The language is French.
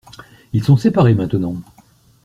Ils sont séparés maintenant.